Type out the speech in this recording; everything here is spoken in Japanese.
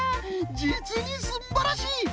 じつにすんばらしい！